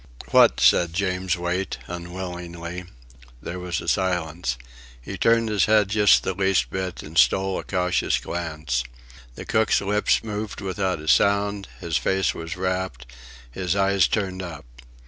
"What?" said James Wait, unwillingly. There was a silence. He turned his head just the least bit, and stole a cautious glance. The cook's lips moved without a sound; his face was rapt, his eyes turned up.